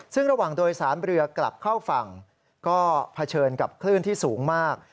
ซึ่งระหว่างโดยสารเรือกลับเข้าฝั่งก็เผชิญกับคลื่นที่สูงมาก